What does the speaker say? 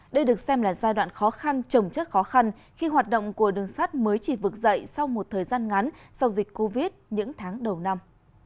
đây được xem là giai đoạn khó khăn trồng chất khó khăn khi hoạt động của đường sắt mới chỉ vực dậy sau một thời gian ngắn sau dịch covid những tháng đầu năm